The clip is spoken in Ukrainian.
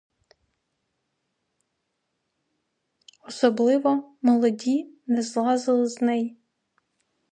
Особливо молоді не злазили з неї.